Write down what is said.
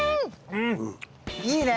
うんいいね！